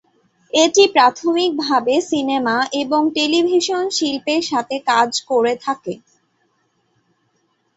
এটি প্রাথমিকভাবে সিনেমা এবং টেলিভিশন শিল্পের সাথে কাজ করে থাকে।